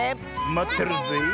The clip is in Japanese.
まってるぜえ。